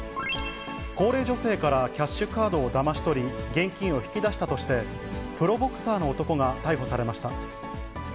高齢女性からキャッシュカードをだまし取り、現金を引き出したとして、プロボクサーの男が逮捕されました。